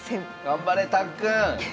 頑張れたっくん！